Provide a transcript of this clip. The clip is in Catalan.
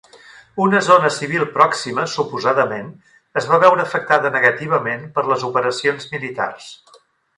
Una zona civil pròxima suposadament es va veure afectada negativament per les operacions militars.